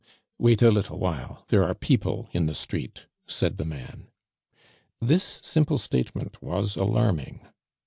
"Wait a little while, there are people in the street," said the man. This simple statement was alarming.